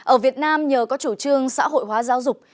ở việt nam nhờ có chủ trương xã hội hóa giáo dục